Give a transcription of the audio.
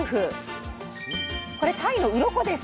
これたいのうろこです。